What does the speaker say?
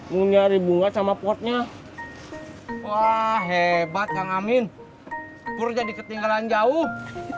mencari bunga sama potnya wah hebat kang amin pur jadi ketinggalan jauh